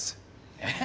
えっ？